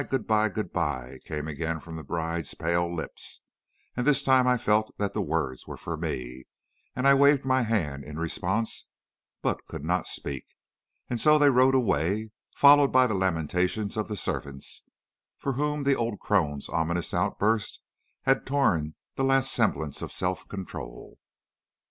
good by! good by!' came again from the bride's pale lips; and this time I felt that the words were for me, and I waved my hand in response, but could not speak. And so they rode away, followed by the lamentations of the servants, from whom the old crone's ominous outburst had torn the last semblance of self control.